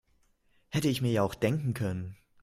Hätte ich mir ja auch denken können.